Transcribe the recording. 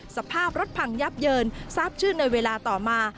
สภาพรถพังยับเยินทราบชื่อในเวลาต่อมา